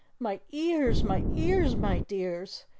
My ears! My ears, my dears!